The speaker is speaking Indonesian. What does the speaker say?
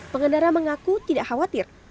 pengendara mengaku tidak khawatir